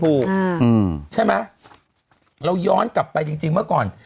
อ่าใช่มั้ยเราย้อนกลับไปจริงเมื่อก่อน